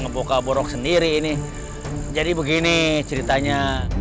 ngebuka borok sendiri ini jadi begini ceritanya